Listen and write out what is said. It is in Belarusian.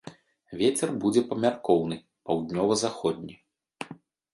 Вецер будзе памяркоўны, паўднёва-заходні.